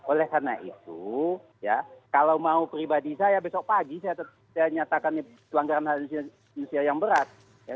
oleh karena itu ya kalau mau pribadi saya besok pagi saya nyatakan pelanggaran hak manusia yang berat